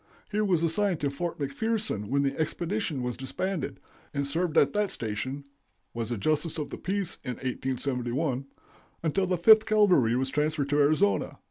He was assigned to Fort McPherson when the expedition was disbanded, and served at that station (was a justice of the peace in 1871) until the Fifth Cavalry was transferred to Arizona.